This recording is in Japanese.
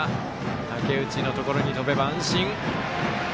竹内のところに飛べば、安心。